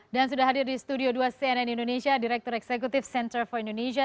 dan sudah hadir di studio dua cnn indonesia direktur eksekutif center for indonesia